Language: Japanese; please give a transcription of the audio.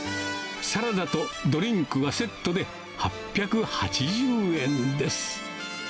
サラダとドリンクがセットで８８０円です。